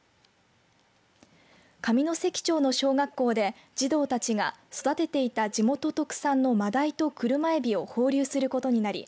上関町の小学校で児童たちが育てていた地元特産のマダイとクルマエビを放流することになり